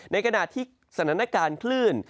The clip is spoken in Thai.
ในขณะที่สถานการณ์คลื่น